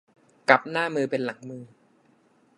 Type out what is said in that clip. กลับหน้ามือเป็นหลังมือ